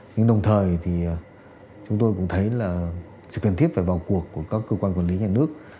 nhưng đồng thời thì chúng tôi cũng thấy là sự cần thiết phải vào cuộc của các cơ quan quản lý nhà nước